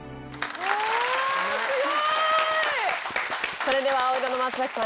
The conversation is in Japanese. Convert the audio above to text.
それでは青色の松崎さん